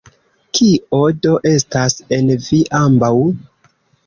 Kio do estas en vi ambaŭ?